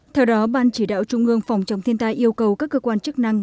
theo đó ban chỉ đạo trung ương phòng chống thiên tai yêu cầu các cơ quan chức năng